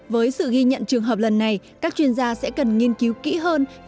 với sự ghi nhận trường hợp lần này các chuyên gia sẽ cần nghiên cứu kỹ hơn